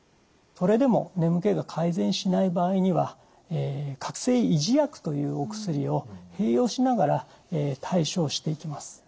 それでも眠気が改善しない場合には覚醒維持薬というお薬を併用しながら対症していきます。